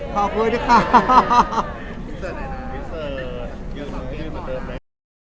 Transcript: ขอบคุณค่ะ